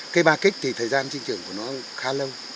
cây ba kích thì thời gian sinh trường của nó khá lâu